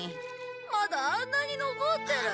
まだあんなに残ってる。